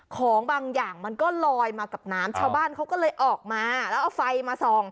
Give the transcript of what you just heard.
ของบางอย่างมันก็ลอยมากับน้ำชาวบ้านเขาก็เลยออกมาแล้วเอาไฟมาส่อง